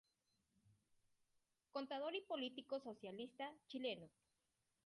Contador y político socialista chileno.